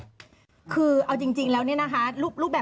ยังไงอ่ะมันไม่ความลงมา